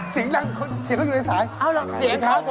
เสียงข้าวโทรศัพท์เขาแจ๊